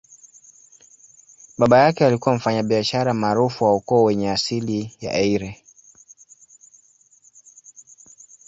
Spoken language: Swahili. Baba yake alikuwa mfanyabiashara maarufu wa ukoo wenye asili ya Eire.